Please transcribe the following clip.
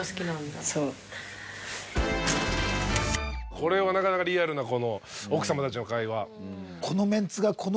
これはなかなかリアルなこの奥さまたちの会話。